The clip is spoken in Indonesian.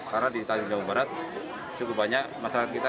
karena di jawa barat cukup banyak masyarakat kita